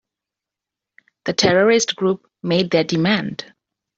The terrorist group made their demand.